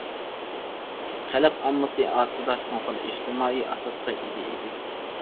خەلق ئاممىسى ئارىسىدا چوڭقۇر ئىجتىمائىي ئاساسقا ئىگە ئىدى.